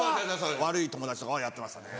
悪い友達とかはやってましたね。